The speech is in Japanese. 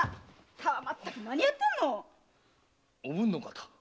まったく何やってるの⁉おぶんの方。